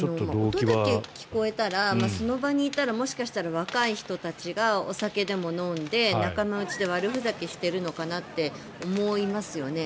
音だけ聞こえたらその場にいたらもしかしたら若い人たちがお酒で飲んで仲間内で悪ふざけしているのかなと思いますよね。